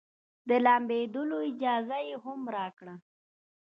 د لامبېدلو اجازه يې هم راکړه.